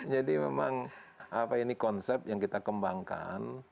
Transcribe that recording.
jadi memang ini konsep yang kita kembangkan